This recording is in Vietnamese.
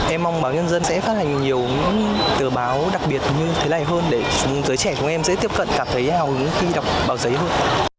em mong báo nhân dân sẽ phát hành nhiều tờ báo đặc biệt như thế này hơn để giới trẻ của em dễ tiếp cận cảm thấy hào hứng khi đọc báo giấy hơn